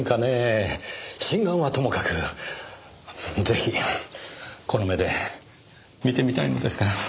真贋はともかくぜひこの目で見てみたいのですが。